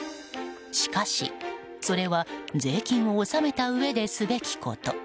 しかし、それは税金を納めたうえですべきこと。